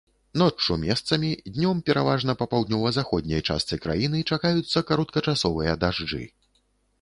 Ноччу месцамі, днём пераважна па паўднёва-заходняй частцы краіны чакаюцца кароткачасовыя дажджы.